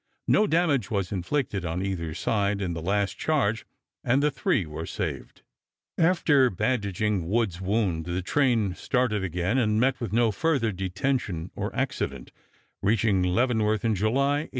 No damage was inflicted on either side in the last charge, and the three were saved. After bandaging Woods' wound the train started again, and met with no further detention or accident, reaching Leavenworth in July, 1858.